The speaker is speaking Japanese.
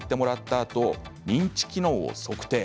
あと認知機能を測定。